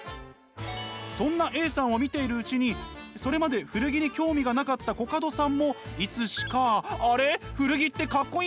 そんなＡさんを見ているうちにそれまで古着に興味がなかったコカドさんもいつしか「あれ古着ってかっこいいじゃん！